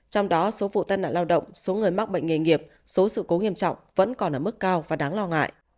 trong đó số vụ tai nạn lao động số người mắc bệnh nghề nghiệp số sự cố nghiêm trọng vẫn còn ở mức cao và đáng lo ngại